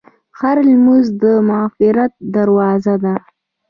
هره لمونځ د مغفرت دروازه ده.